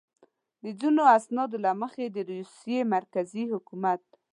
د ځینو اسنادو له مخې د روسیې مرکزي حکومت.